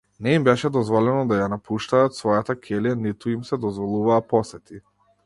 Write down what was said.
Не им беше дозволено да ја напуштаат својата ќелија, ниту им се дозволуваа посети.